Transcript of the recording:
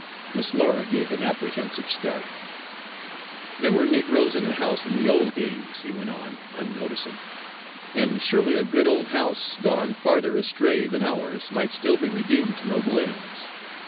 Miss Laura gave an apprehensive start. "There were Negroes in the house in the old days," he went on unnoticing, "and surely a good old house, gone farther astray than ours, might still be redeemed to noble ends.